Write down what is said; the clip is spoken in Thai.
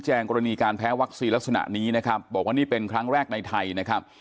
กรณีการแพ้วัคซีนลักษณะนี้นะครับบอกว่านี่เป็นครั้งแรกในไทยนะครับ